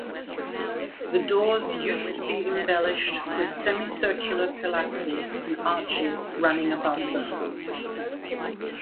The doors used to be embellished with semicircular pilasters and arches running above them.